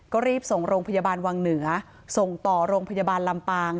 ก็รีบส่งโรงพยาบาลวังเหนือส่งต่อโรงพยาบาลลำปาง